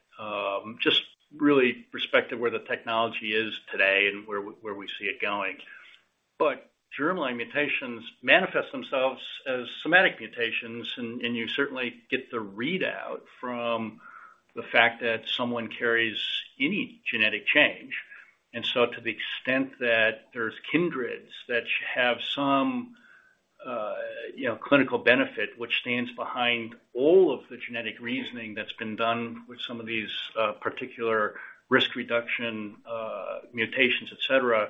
just really respected where the technology is today and where we see it going. Germline mutations manifest themselves as somatic mutations, and you certainly get the readout from the fact that someone carries any genetic change. To the extent that there's kindreds that have some, you know, clinical benefit, which stands behind all of the genetic reasoning that's been done with some of these particular risk reduction mutations, et cetera,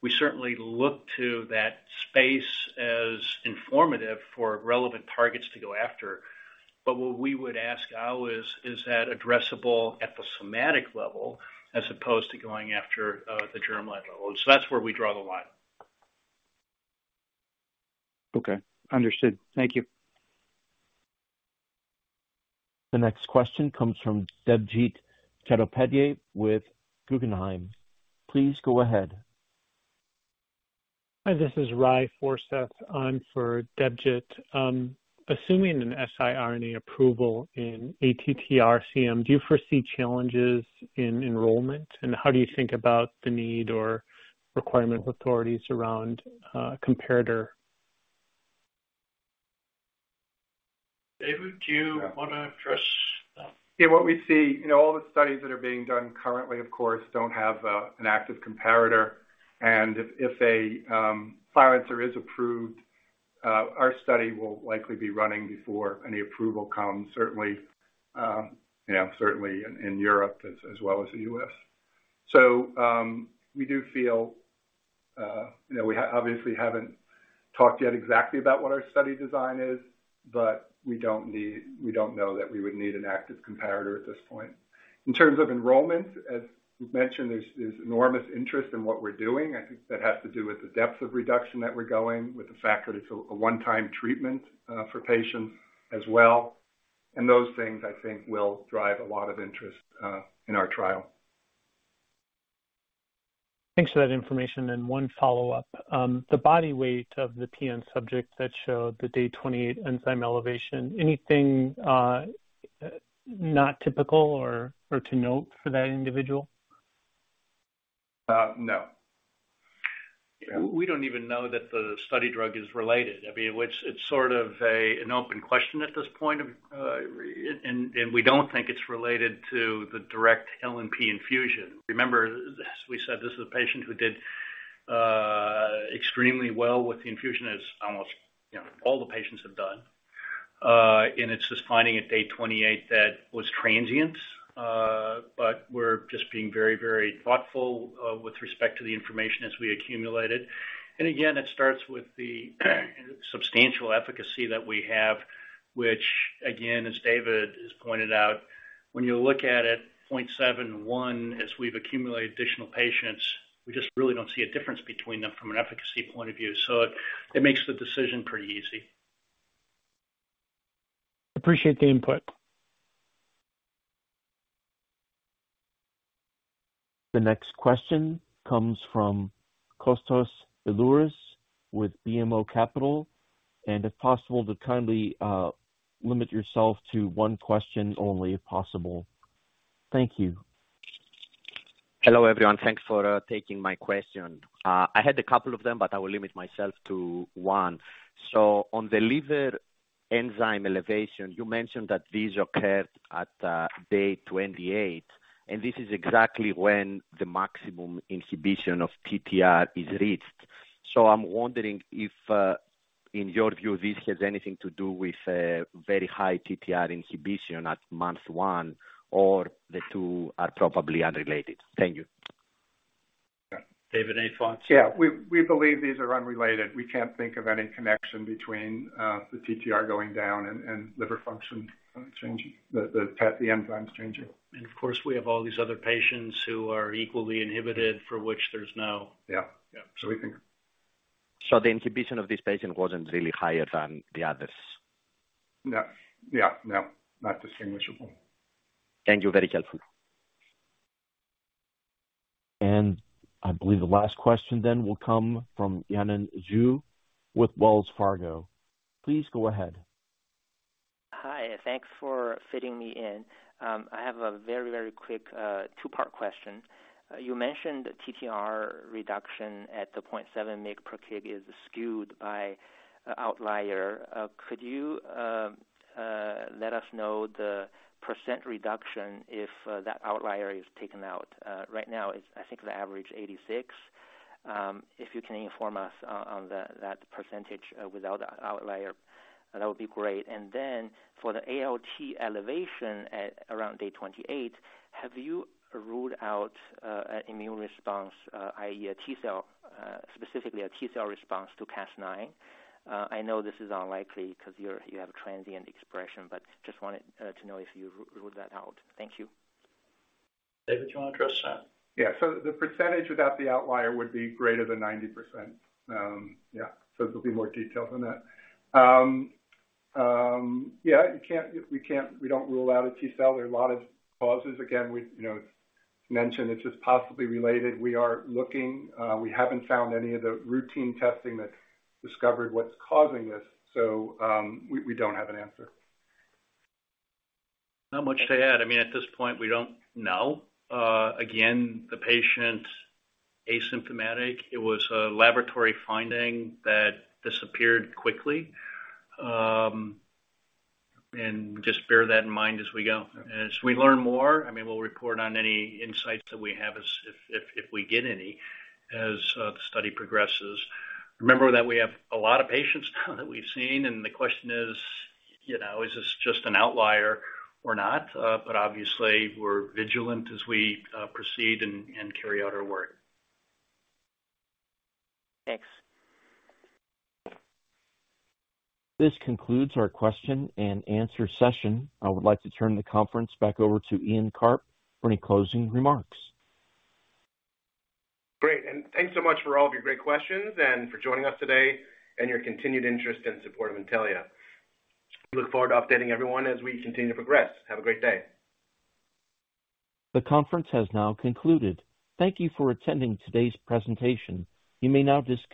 we certainly look to that space as informative for relevant targets to go after. What we would ask Al is that addressable at the somatic level as opposed to going after the germline level. That's where we draw the line. Okay. Understood. Thank you. The next question comes from Debjit Chattopadhyay with Guggenheim. Please go ahead. Hi, this is Ry Forseth. I'm for Debjit. Assuming an siRNA approval in ATTR-CM, do you foresee challenges in enrollment? How do you think about the need or requirement of authorities around comparator? David, do you wanna address that? Yeah. What we see, you know, all the studies that are being done currently, of course, don't have an active comparator. If a Vutrisiran is approved, our study will likely be running before any approval comes, certainly, you know, certainly in Europe as well as the US. We do feel, you know, we obviously haven't talked yet exactly about what our study design is, but we don't know that we would need an active comparator at this point. In terms of enrollment, as we've mentioned, there's enormous interest in what we're doing. I think that has to do with the depth of reduction that we're going. With the fact that it's a one-time treatment for patients as well. Those things, I think, will drive a lot of interest in our trial. Thanks for that information. One follow-up. The body weight of the PN subject that showed the day 28 enzyme elevation, anything not typical or to note for that individual? No. We don't even know that the study drug is related. I mean, it's sort of an open question at this point. We don't think it's related to the direct LNP infusion. Remember, as we said, this is a patient who did extremely well with the infusion as almost, you know, all the patients have done. It's just a finding at day 28 that was transient. We're just being very, very thoughtful with respect to the information as we accumulate it. It starts with the substantial efficacy that we have, which again, as David has pointed out, when you look at it, 0.71, as we've accumulated additional patients, we just really don't see a difference between them from an efficacy point of view. It makes the decision pretty easy. Appreciate the input. The next question comes from Kostas Biliouris with BMO Capital Markets. If possible, to kindly limit yourself to one question only, if possible. Thank you. Hello, everyone. Thanks for taking my question. I had a couple of them, but I will limit myself to one. On the liver enzyme elevation, you mentioned that these occurred at day 28, and this is exactly when the maximum inhibition of TTR is reached. I'm wondering if, in your view, this has anything to do with very high TTR inhibition at month 1 or the two are probably unrelated. Thank you. David, any thoughts? Yeah. We believe these are unrelated. We can't think of any connection between the TTR going down and liver function changing. The test, the enzymes changing. Of course, we have all these other patients who are equally inhibited for which there's no. Yeah. We think. The inhibition of this patient wasn't really higher than the others? No. Yeah, no. Not distinguishable. Thank you. Very helpful. I believe the last question then will come from Yanan Zhu with Wells Fargo. Please go ahead. Hi. Thanks for fitting me in. I have a very quick two-part question. You mentioned TTR reduction at the 0.7 mg per kg is skewed by outlier. Could you let us know the % reduction if that outlier is taken out? Right now, it's I think the average 86. If you can inform us on that percentage without outlier, that would be great. Then for the ALT elevation at around day 28, have you ruled out an immune response, i.e. a T-cell, specifically a T-cell response to Cas9? I know this is unlikely 'cause you have a transient expression, but just wanted to know if you ruled that out. Thank you. David, do you wanna address that? Yeah. The percentage without the outlier would be greater than 90%. There'll be more details on that. We don't rule out a T-cell. There are a lot of causes. Again, we, you know, mentioned it's just possibly related. We are looking. We haven't found any of the routine testing that discovered what's causing this, so we don't have an answer. Not much to add. I mean, at this point, we don't know. Again, the patient, asymptomatic, it was a laboratory finding that disappeared quickly. Just bear that in mind as we go. As we learn more, I mean, we'll report on any insights that we have if we get any, as the study progresses. Remember that we have a lot of patients now that we've seen, and the question is, you know, is this just an outlier or not? Obviously we're vigilant as we proceed and carry out our work. Thanks. This concludes our question and answer session. I would like to turn the conference back over to Ian Karp for any closing remarks. Great. Thanks so much for all of your great questions and for joining us today and your continued interest and support of Intellia. We look forward to updating everyone as we continue to progress. Have a great day. The conference has now concluded. Thank you for attending today's presentation. You may now disconnect.